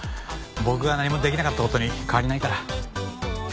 僕が何もできなかった事に変わりないから。